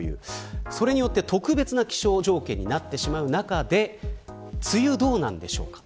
それによって特別な気象条件になってしまう中で梅雨、どうなんでしょうか。